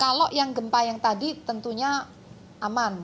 kalau yang gempa yang tadi tentunya aman